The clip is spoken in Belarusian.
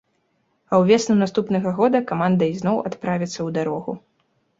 А ўвесну наступнага года каманда ізноў адправіцца ў дарогу.